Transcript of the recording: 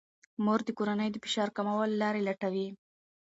مور د کورنۍ د فشار کمولو لارې لټوي.